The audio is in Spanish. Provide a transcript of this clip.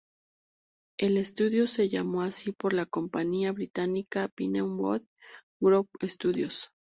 El estudio se llamó así por la compañía británica Pinewood Group Studios.